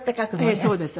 ええそうです。